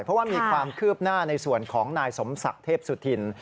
เพราะว่ามีความคืบหน้าในส่วนของนายสมศักดิ์เทพสุธิน